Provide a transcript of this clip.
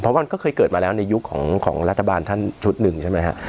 เพราะว่าก็เคยเกิดมาแล้วในยุคของรัฐบาลท่านชุดหนึ่งใช่ไหมฮะ